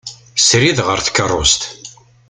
Srid ɣer tkerrust.